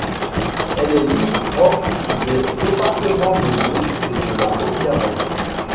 Elle est limitrophe des départements de l'Aude et de la Haute-Garonne.